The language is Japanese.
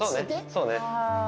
そうね。